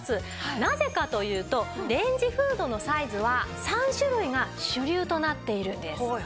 なぜかというとレンジフードのサイズは３種類が主流となっているんです。